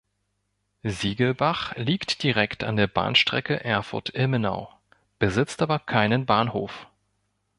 Siegelbach liegt direkt an der Bahnstrecke Erfurt–Ilmenau, besitzt aber keinen Bahnhof.